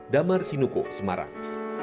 damar sinuko semarang